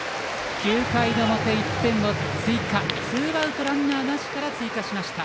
９回の表、１点の追加ツーアウト、ランナーなしから追加しました。